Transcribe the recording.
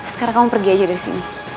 sekarang kamu pergi aja dari sini